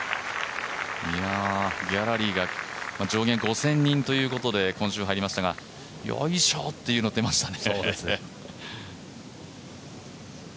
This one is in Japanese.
ギャラリーが上限５０００人ということで今週、入りましたが「よいしょー」というのが出ましたね。